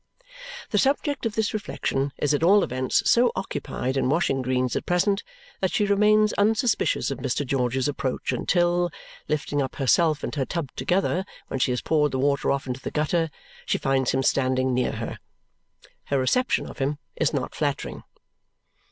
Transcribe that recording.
The subject of this reflection is at all events so occupied in washing greens at present that she remains unsuspicious of Mr. George's approach until, lifting up herself and her tub together when she has poured the water off into the gutter, she finds him standing near her. Her reception of him is not flattering.